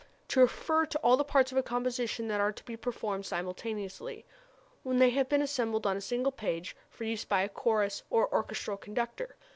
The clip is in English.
To refer to all the parts of a composition that are to be performed simultaneously, when they have been assembled on a single page for use by a chorus or orchestral conductor.